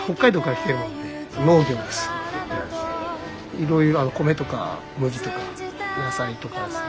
いろいろ米とか麦とか野菜とかですね。